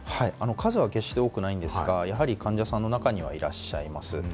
数は決して多くないんですが、患者さんの中にはいらっしゃいます。